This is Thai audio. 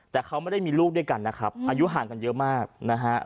แต่เขาไม่ได้มีลูกด้วยกันนะครับอายุห่างกันเยอะมากนะฮะ